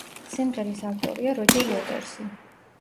სიმღერის ავტორია როჯერ უოტერსი.